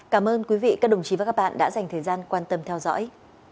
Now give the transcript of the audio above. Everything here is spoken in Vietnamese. cảm ơn quý vị các đồng chí và các bạn đã dành thời gian quan tâm theo dõi